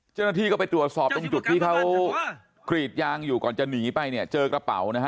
เจ้าหน้าที่ก็ไปตรวจสอบตรงจุดที่เขากรีดยางอยู่ก่อนจะหนีไปเนี่ยเจอกระเป๋านะฮะ